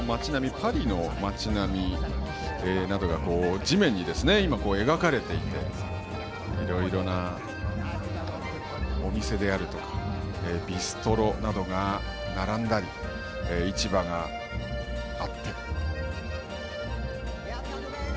パリの街並みなどが地面に描かれていていろいろなお店であるとかビストロなどが並んだり市場があって。